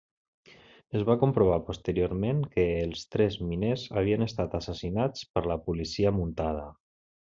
Es va comprovar posteriorment que els tres miners havien estat assassinats per la Policia Muntada.